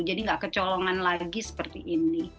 jadi tidak kecolongan lagi seperti ini